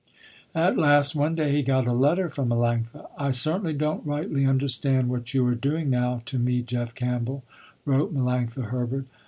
At last one day he got a letter from Melanctha. "I certainly don't rightly understand what you are doing now to me Jeff Campbell," wrote Melanctha Herbert.